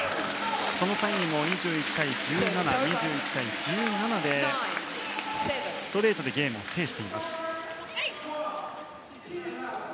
その際にも２１対１７、２１対１７でストレートでゲームを制しています。